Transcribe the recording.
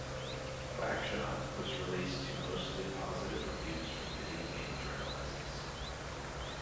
"QuackShot" was released to mostly positive reviews from video game journalists.